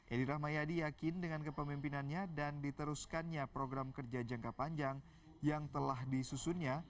edi rahmayadi yakin dengan kepemimpinannya dan diteruskannya program kerja jangka panjang yang telah disusunnya